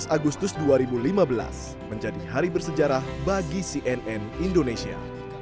tujuh belas agustus dua ribu lima belas menjadi hari bersejarah bagi cnn indonesia